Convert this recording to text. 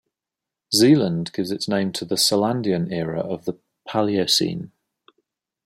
Zealand gives its name to the Selandian era of the Paleocene.